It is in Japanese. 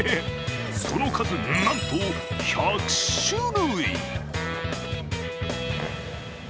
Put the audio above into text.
その数なんと１００種類。